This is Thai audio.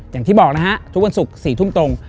อย่างที่บอกนะฮะทุกวันศุกร์๔ทุ่มตรง